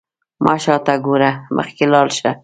مه شاته ګوره، مخکې لاړ شه.